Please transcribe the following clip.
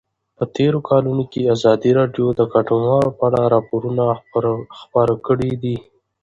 په تېرو کلونو کې ازادي راډیو د کډوال په اړه راپورونه خپاره کړي دي.